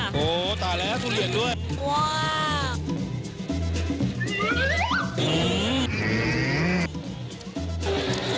โอ้โฮตายแล้วทุเรียนด้วย